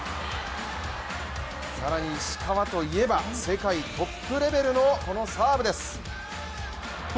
更に、石川といえば世界トップレベルのこのサーブです。